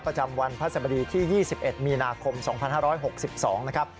ประจำวันพระสบดีที่๒๑มีนาคม๒๕๖๒นะครับ